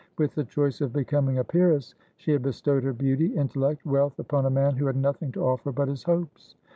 With the choice of becoming a peeress, she had bestowed her beauty, intellect, wealth upon a man who had nothing to offer but his hopes.